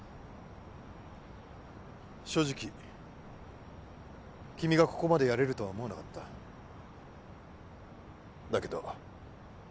正直君がここまでやれるとは思わなかっただけど